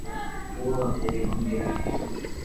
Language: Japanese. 大慌てで電話に出る